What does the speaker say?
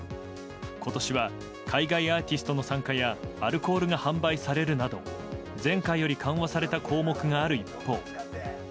今年は海外アーティストの参加やアルコールが販売されるなど前回より緩和された項目がある一方